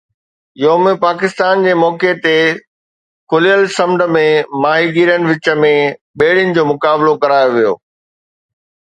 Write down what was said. يوم پاڪستان جي موقعي تي کليل سمنڊ ۾ ماهيگيرن وچ ۾ ٻيڙين جو مقابلو ڪرايو ويو